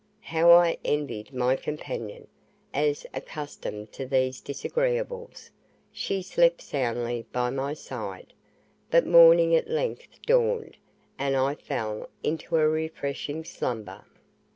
How I envied my companion, as accustomed to these disagreeables, she slept soundly by my side; but morning at length dawned, and I fell into a refreshing slumber.